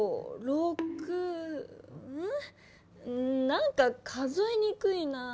なんか数えにくいなぁ。